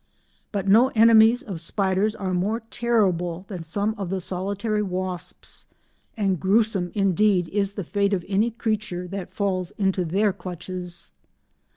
But no enemies of spiders are more terrible than some of the solitary wasps, and gruesome indeed is the fate of any creature that falls into their clutches.